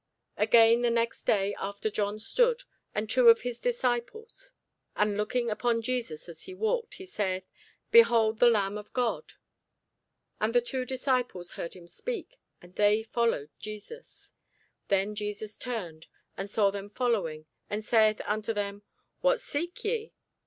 Again the next day after John stood, and two of his disciples; and looking upon Jesus as he walked, he saith, Behold the Lamb of God! And the two disciples heard him speak, and they followed Jesus. Then Jesus turned, and saw them following, and saith unto them, What seek ye?